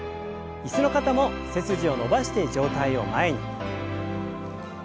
椅子の方も背筋を伸ばして上体を前に。